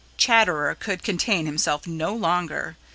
Chatterer could contain himself no longer.